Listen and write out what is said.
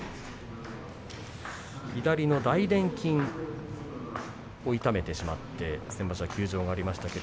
左の大でん筋を痛めてしまって先場所は休場がありました。